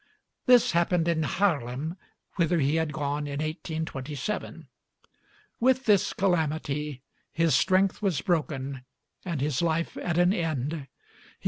This happened in Haarlem, whither he had gone in 1827. With this calamity his strength was broken and his life at an end.